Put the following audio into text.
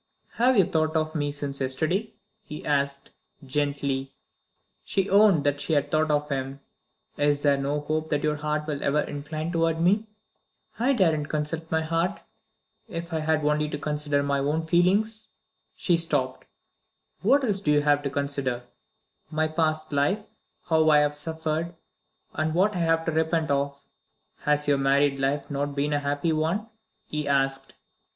"Have you thought of me since yesterday?" he asked gently. She owned that she had thought of him. "Is there no hope that your heart will ever incline toward me?" "I daren't consult my heart. If I had only to consider my own feelings " She stopped. "What else have you to consider?" "My past life how I have suffered, and what I have to repent of." "Has your married life not been a happy one?" he asked.